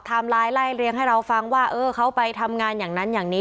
ไลน์ไล่เรียงให้เราฟังว่าเออเขาไปทำงานอย่างนั้นอย่างนี้